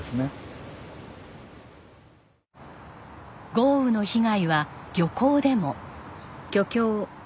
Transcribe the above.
豪雨の被害は漁港でも。